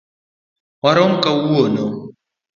Warom kawuono.